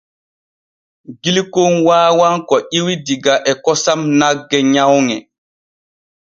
Gilkon waawan ko ƴiwi diga e kosam nagge nyawŋe.